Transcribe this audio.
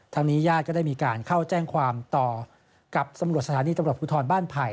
นี้ญาติก็ได้มีการเข้าแจ้งความต่อกับตำรวจสถานีตำรวจภูทรบ้านไผ่